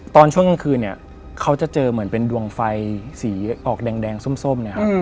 ตอนช่วงกลางคืนเนี่ยเขาจะเจอเหมือนเป็นดวงไฟสีออกแดงส้มนะครับ